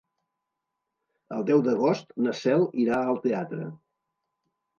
El deu d'agost na Cel irà al teatre.